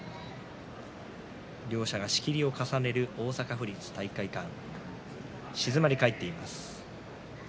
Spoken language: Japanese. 両者が仕切りを重ねる大阪府立体育会館静まり返っています。